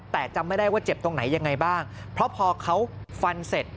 แต่จำไม่ได้ว่าเจ็บตรงไหนยังไงบ้างเพราะพอเขาฟันเสร็จ